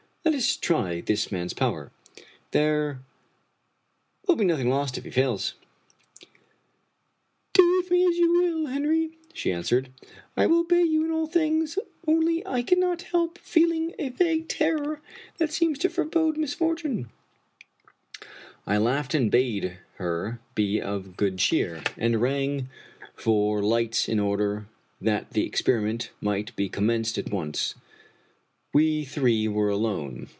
Let us try this man's power. There will be nothing lost if he fails." " Do with me as you will, Henry," she answered ;" I will obey you in all things; only I cannot help feeling a vag^e terror that seems to forebode misfortune." 38 Fitzjames O'Brien I laughed and bade her be of good cheer, and rang for lights in order that the experiment might be commenced at once. We three were alone.